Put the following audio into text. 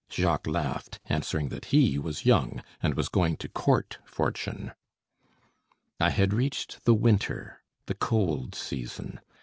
Jacques laughed, answering that he was young, and was going to court fortune. I had reached the winter, the cold season.